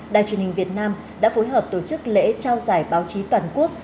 đài truyền hình việt nam đã phối hợp tổ chức lễ trao giải báo chí toàn quốc